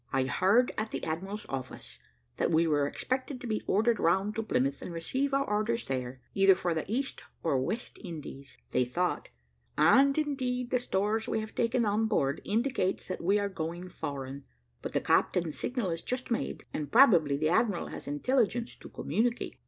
"I heard at the admiral's office, that we were expected to be ordered round to Plymouth, and receive our orders there, either for the East or West Indies, they thought; and, indeed, the stores we have taken on board indicates that we are going foreign, but the captain's signal is just made, and probably the admiral has intelligence to communicate."